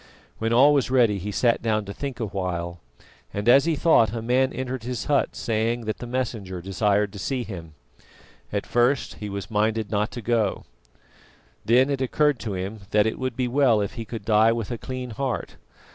When all was ready he sat down to think a while, and as he thought, a man entered his hut saying that the Messenger desired to see him. At first he was minded not to go, then it occurred to him that it would be well if he could die with a clean heart.